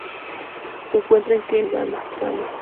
Se encuentra en Kenia y en Uganda.